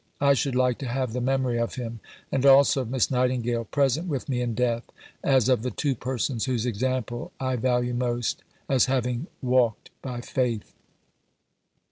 I should like to have the memory of him, and also of Miss Nightingale, present with me in death, as of the two persons whose example I value most, as having 'walked by faith.'"